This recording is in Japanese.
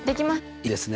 いいですね。